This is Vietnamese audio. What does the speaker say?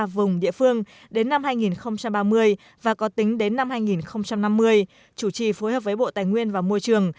vùng địa phương đến năm hai nghìn ba mươi và có tính đến năm hai nghìn năm mươi chủ trì phối hợp với bộ tài nguyên và môi trường